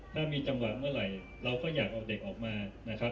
ถ้ามีจังหวะเมื่อไหร่เราก็อยากเอาเด็กออกมานะครับ